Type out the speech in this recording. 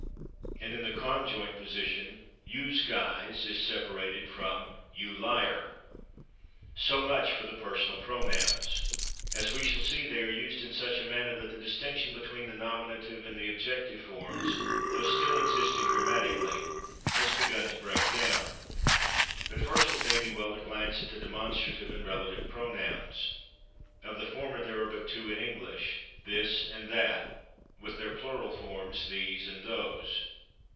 And in the conjoint position "/yous/ guys" is separated from "/you/ liar." So much for the personal pronouns. As we shall see, they are used in such a manner that the distinction between the nominative and the objective forms, though still existing grammatically, has begun to break down. But first it may be well to glance at the demonstrative and relative pronouns. Of the former there [Pg216] are but two in English, /this/ and /that/, with their plural forms, /these/ and /those